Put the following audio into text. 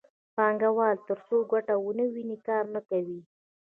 پانګوال ترڅو ګټه ونه ویني کار نه کوي